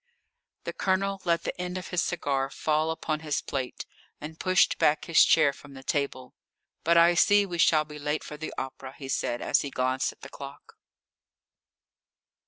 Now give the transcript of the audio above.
The Colonel let the end of his cigar fall upon his plate, and pushed back his chair from the table. "But I see we shall be late for the opera," he said, as he glanced at the clock.